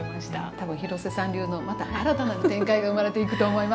多分廣瀬さん流のまた新たな展開が生まれていくと思います。